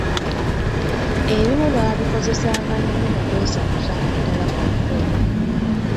Ebimu baabikozesanga nnyo mu kwesanyusa naddala ku mikolo.